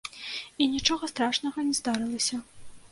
І нічога страшнага не здарылася.